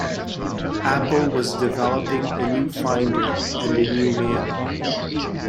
Apple was developing a new Finder and a new Mail.